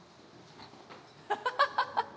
・ハハハハ！